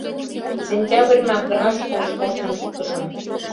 Сентябрьымак гына школыш коштын шуктышым.